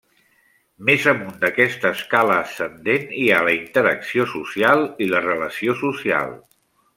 Més amunt d'aquesta escala ascendent hi ha la interacció social i la relació social.